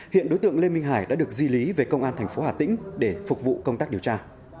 hiện đối tượng lê minh hải đã được di lý về công an thành phố hà tĩnh để phục vụ công tác điều tra